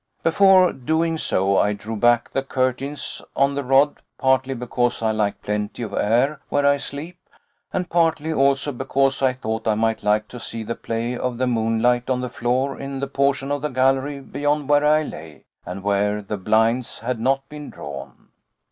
Before doing so, I drew back the curtains on the rod, partly because I like plenty of air where I sleep, and partly also because I thought I might like to see the play of the moonlight on the floor in the portion of the gallery beyond where I lay, and where the blinds had not been drawn.